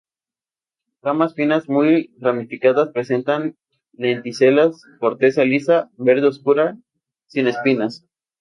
Ramas finas, muy ramificadas, presenta lenticelas, corteza lisa, verde oscura, sin espinas.